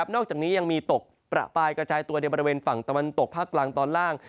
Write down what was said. นอกจากนี้ยังมีตกประปายกระจายตัวในบริเวณฝั่งตะวันตกภาคกลางตอนล่าง